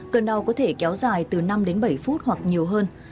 cơn đau có thể kéo dài từ năm đến bảy phút hoặc nhiều hơn